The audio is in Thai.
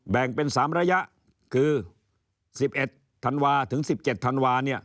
แบ่งเป็น๓ระยะคือ๑๑๑๗ธันวาคม